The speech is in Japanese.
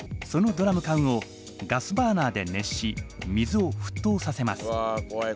そのドラム缶をガスバーナーで熱し水をふっとうさせます。